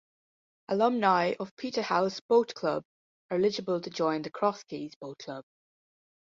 Alumni of Peterhouse Boat Club are eligible to join the Cross Keys Boat Club.